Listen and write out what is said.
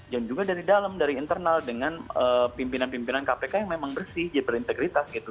dan juga dari dalam dari internal dengan pimpinan pimpinan kpk yang memang bersih yang berintegritas gitu